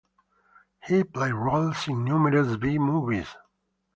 He played roles in numerous B movies.